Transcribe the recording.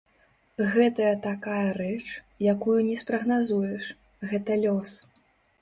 Гэтая такая рэч, якую не спрагназуеш, гэта лёс.